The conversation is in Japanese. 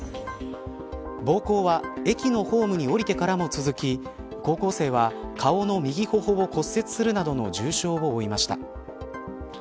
暴行は駅のホームに降りてからも続き高校生は、顔の右頬を骨折するなどの重傷を負いました。